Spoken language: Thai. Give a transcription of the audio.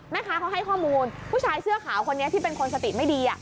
แม่ค้าเขาให้ข้อมูลผู้ชายเสื้อขาวคนนี้ที่เป็นคนสติไม่ดี